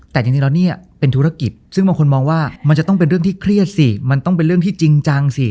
แต่จริงแล้วเนี่ยเป็นธุรกิจซึ่งบางคนมองว่ามันจะต้องเป็นเรื่องที่เครียดสิมันต้องเป็นเรื่องที่จริงจังสิ